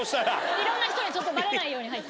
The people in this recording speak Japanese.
いろんな人にバレないように入って。